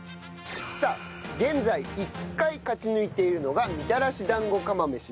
さあ現在１回勝ち抜いているのがみたらし団子釜飯です。